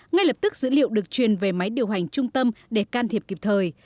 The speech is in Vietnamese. ngay lập tức dữ liệu được truyền về máy điều hành trung tâm để can thiệp kịp thời